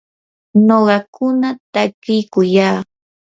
nuqakuna takiykuyaa.